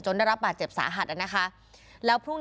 จนได้รับบาดเจ็บสาหัสแล้วนะคะ